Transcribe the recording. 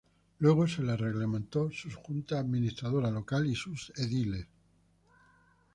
Luego se le reglamentó su Junta Administradora Local y sus ediles.